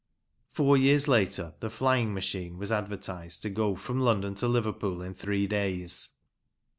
Four years later the " Flying Machine " was advertised to go from London to Liverpool in three days.